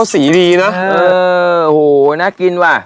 สีสวยว่ะอ๋อน่ากินว่ะ